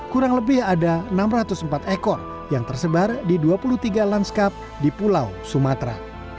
kurang lebih ada enam ratus empat ekor yang tersebar di dua puluh tiga lanskap di pulau sumatera